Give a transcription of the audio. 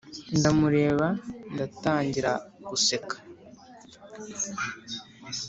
ndamureba ndatangira guseka,